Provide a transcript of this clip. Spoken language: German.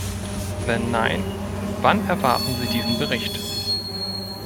Wenn nein, wann erwarten Sie diesen Bericht?